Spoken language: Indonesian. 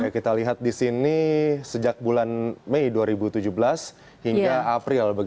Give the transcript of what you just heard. kita lihat di sini sejak bulan mei dua ribu tujuh belas hingga april